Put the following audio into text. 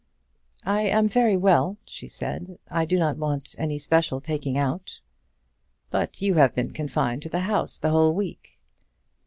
"I am very well," she said. "I do not want any special taking out." "But you have been confined to the house the whole week."